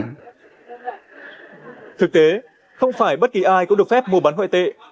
thực tế không phải bất kỳ ai cũng được phép mua bán ngoại tệ